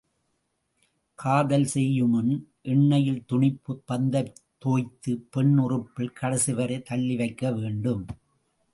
காதல் செய்யுமுன் எண்ணெய்யில் துணிப் பந்தைத் தோய்த்துப் பெண் உறுப்பில் கடைசி வரைத் தள்ளி வைக்க வேண்டும்.